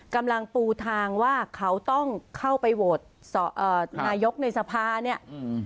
กำลังปูทางว่าเขาต้องเข้าไปโหวตเอ่อนายกในสภาเนี่ยอืม